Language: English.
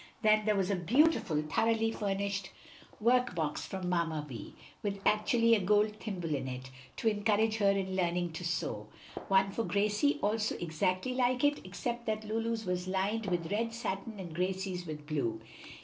Then there was a beautiful, thoroughly furnished work box from Mamma Vi, with "actually a gold thimble in it," to encourage her in learning to sew. One for Gracie also exactly like it, except that Lulu's was lined with red satin and Gracie's with blue.